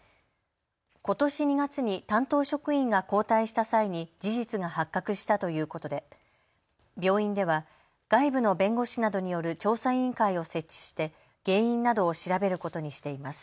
ことし２月に担当職員が交代した際に事実が発覚したということで病院では外部の弁護士などによる調査委員会を設置して原因などを調べることにしています。